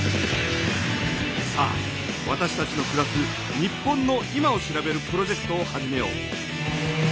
さあわたしたちのくらす日本の今を調べるプロジェクトを始めよう。